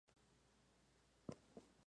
Debutó como titular la semana siguiente.